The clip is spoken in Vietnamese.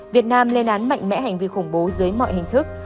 việt nam lên án mạnh mẽ hành vi khủng bố dưới mọi hình thức